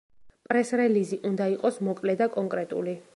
პრეს-რელიზი უნდა იყოს მოკლე და კონკრეტული.